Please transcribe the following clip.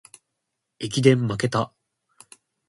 駅伝まけた